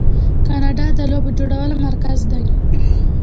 کاناډا د لوبو جوړولو مرکز دی.